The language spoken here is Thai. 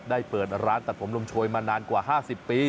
เปิดร้านตัดผมลมโชยมานานกว่า๕๐ปี